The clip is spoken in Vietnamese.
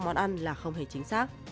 và giá của các món ăn là không hề chính xác